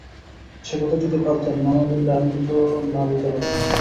সেকথা যদি বাদ দেন, মামা বললে আমি তো না বলতে পারি না।